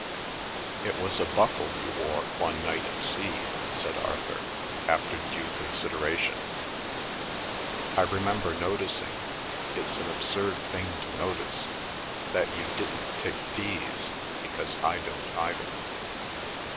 "It was a buckle you wore one night at sea," said Arthur, after due consideration. "I remember noticing—it's an absurd thing to notice!—that you didn't take peas, because I don't either."